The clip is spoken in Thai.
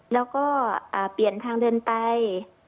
แล้วก็เปลี่ยนทางเดินไป